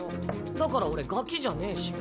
だから俺ガキじゃねぇし。